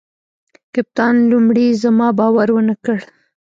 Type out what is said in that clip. کپتان لومړي زما باور ونه کړ.